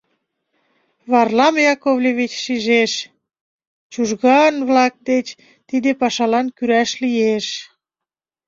Варлам Яковлевич шижеш — Чужган-влак деч тиде пашалан кӱраш лиеш.